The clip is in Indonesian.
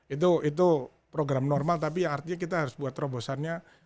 itu program normal tapi artinya kita harus buat terobosannya